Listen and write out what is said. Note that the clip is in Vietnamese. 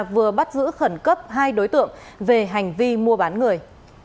vừa bắt giữ khẩn cấp hai đối tượng về hành vi mua bán người